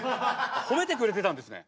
褒めてくれてたんですね。